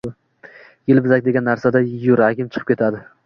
yelvizak degan narsadan yuragim chiqib ketadi.